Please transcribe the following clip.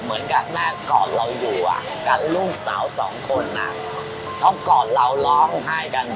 เหมือนกับแม่ก่อนเราอยู่กับลูกสาวสองคนอ่ะเพราะก่อนเราร้องไห้กัน